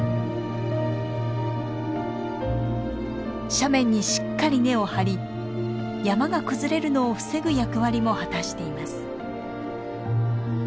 斜面にしっかり根を張り山が崩れるのを防ぐ役割も果たしています。